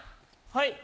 はい。